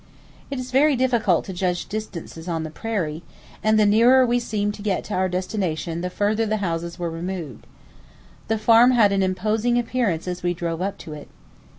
It is very difficult to judge distances on the prairie, and the nearer we seemed to get to our destination the further the houses were removed. The farm had an imposing appearance as we drove up to it.